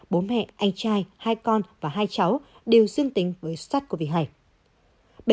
bố mẹ anh trai hai con và hai cháu đều dương tính với sát covid một mươi chín